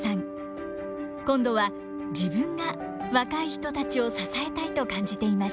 今度は自分が若い人たちを支えたいと感じています。